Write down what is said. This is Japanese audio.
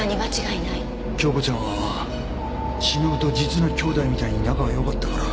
京子ちゃんは忍と実の姉妹みたいに仲がよかったから。